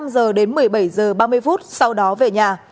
năm giờ đến một mươi bảy h ba mươi phút sau đó về nhà